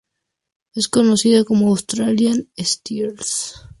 Es conocida como "Australian Steelers".